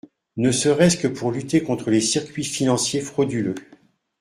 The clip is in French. … ne serait-ce que pour lutter contre les circuits financiers frauduleux.